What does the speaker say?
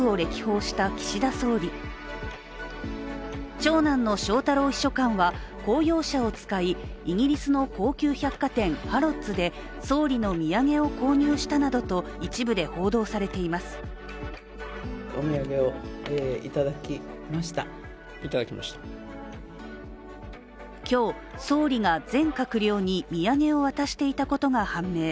長男の翔太郎秘書官は、公用車を使いイギリスの高級百貨店・ハロッズで今日、総理が全閣僚に土産を渡していたことが判明。